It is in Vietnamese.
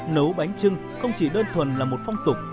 nấu bánh trưng không chỉ đơn thuần là một phong tục